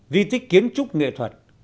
di tích kiến trúc nghệ thuật